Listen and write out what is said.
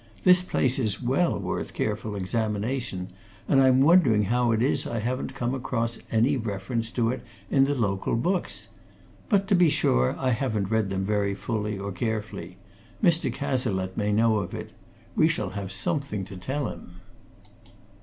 This place is well worth careful examination, and I'm wondering how it is that I haven't come across any reference to it in the local books. But to be sure, I haven't read them very fully or carefully Mr. Cazalette may know of it. We shall have something to tell him."